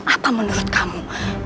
apa menurut kamu